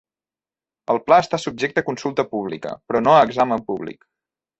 El pla està subjecte a consulta pública, però no a examen públic.